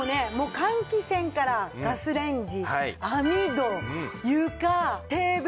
換気扇からガスレンジ網戸床テーブル